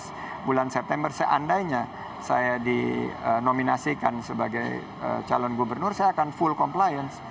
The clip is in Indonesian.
saya sendiri nanti pas bulan september seandainya saya dinominasikan sebagai calon gubernur saya akan full compliance